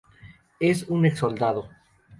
Es un ex-soldado.